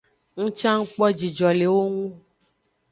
Ng can ng kpo jijo le ewo ngu.